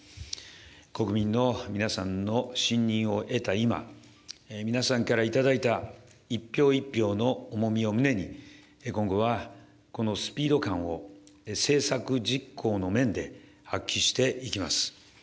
国民の皆さんの信任を得た今、皆さんから頂いた一票一票の重みを胸に、今後は、このスピード感を政策実行の面で発揮していきます。